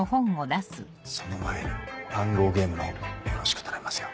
あっその前に暗号ゲームのほうよろしく頼みますよ。